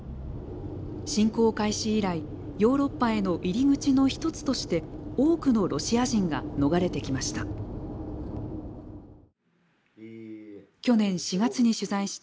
侵攻開始以来、ヨーロッパへの入り口のひとつとして多くのロシア人が逃れてきました。